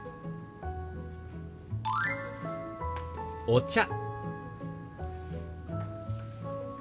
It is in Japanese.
「お茶」。